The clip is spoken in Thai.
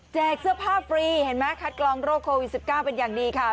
แจกเสื้อผ้าฟรีเห็นไหมค่ะกล้องโรคโควิดสิบเกล้าเป็นอย่างดีค่ะ